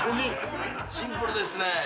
シンプルですね。